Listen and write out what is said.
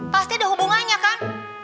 pasti ada hubungannya kan